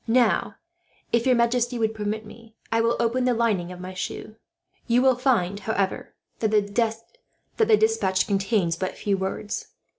"Now, if your majesty will permit me, I will open the lining of my shoe. You will find, however, that the despatch contains but a few words.